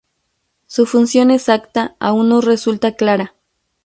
Su función exacta aún no resulta clara.